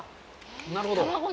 なるほど。